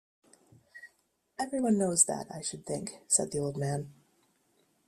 “Everyone knows that, I should think,” said the old man.